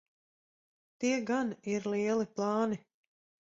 Tie gan ir lieli plāni.